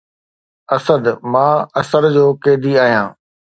اسد! مان اثر جو قيدي آهيان